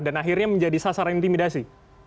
dan akhirnya menjadi sasar intimidasi